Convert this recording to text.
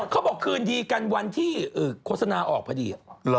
คืนดีกันวันที่โฆษณาออกพอดี